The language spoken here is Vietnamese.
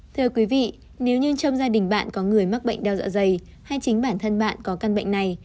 thưa quý vị nếu như trong gia đình bạn có người mắc bệnh đau dạ dày hay chính bản thân bạn có căn bệnh này